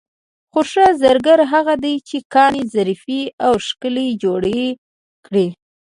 خو ښه زرګر هغه دی چې ګاڼې ظریفې او ښکلې جوړې کړي.